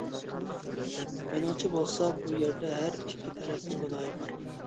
مېنىڭچە بولسا، بۇ يەردە ھەر ئىككى تەرەپنىڭ گۇناھى بار.